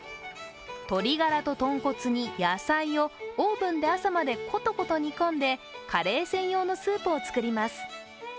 鶏ガラと豚骨に野菜をオーブンで朝までコトコト煮込んで、カレー専用のスープを作ります。